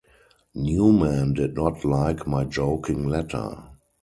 Newman did not like my joking letter.